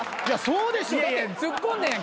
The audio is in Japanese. いやそうでしょ。